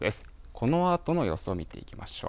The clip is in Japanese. このあとの予想見ていきましょう。